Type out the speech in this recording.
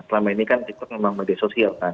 selama ini kan tiktok memang media sosial kan